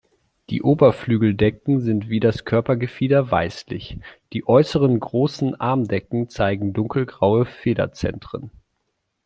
Die Oberflügeldecken sind wie das Körpergefieder weißlich, die äußeren Großen Armdecken zeigen dunkelgraue Federzentren.